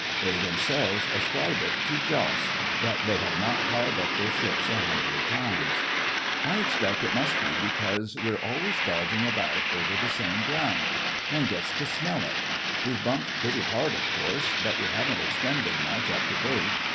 They themselves ascribe it to Joss that they have not piled up their ships a hundred times. "I expect it must be because we're always dodging about over the same ground. One gets to smell it. We've bumped pretty hard, of course, but we haven't expended much up to date.